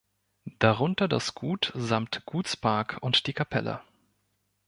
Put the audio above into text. Darunter das Gut samt Gutspark und die Kapelle.